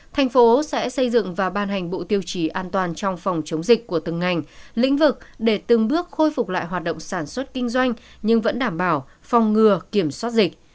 thành phố sẽ xây dựng và ban hành bộ tiêu chí an toàn trong phòng chống dịch của từng ngành lĩnh vực để từng bước khôi phục lại hoạt động sản xuất kinh doanh nhưng vẫn đảm bảo phòng ngừa kiểm soát dịch